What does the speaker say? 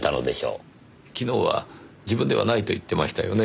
昨日は自分ではないと言ってましたよね？